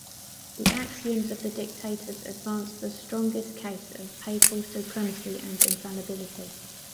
The axioms of the "Dictatus" advance the strongest case of papal supremacy and infallibility.